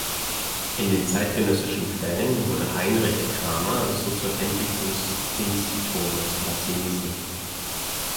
In den zeitgenössischen Quellen wurde "Heinrich Kramer" so zu "Henricus Institoris" latinisiert.